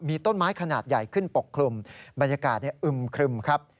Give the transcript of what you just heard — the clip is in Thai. มีต้นไม้ขนาดใหญ่ขึ้นปกคลุมบรรยากาศอึมครึมครับ